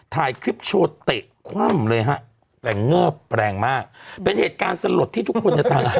ถ่ายคลิปโชว์เตะคว่ำเลยฮะแต่เงิบแรงมากเป็นเหตุการณ์สลดที่ทุกคนในต่าง